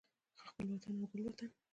خپل وطن او ګل وطن